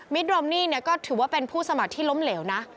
วิทร์รอมนีเนี่ยก็ถือว่าเป็นผู้สมัครที่ล้มเหลวนะ